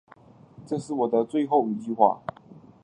这是我的最后一句话